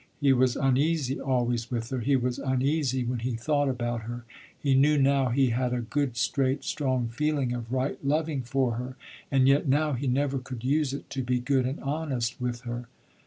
He was uneasy always, with her, he was uneasy when he thought about her, he knew now he had a good, straight, strong feeling of right loving for her, and yet now he never could use it to be good and honest with her.